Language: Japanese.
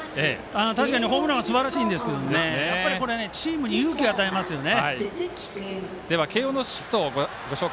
確かにホームランはすばらしいんですけどチームに勇気を与えますね。